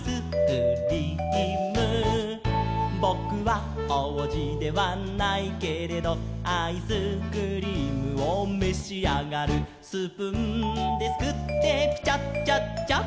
「ぼくはおうじではないけれど」「アイスクリームをめしあがる」「スプーンですくってピチャチャッチャッ」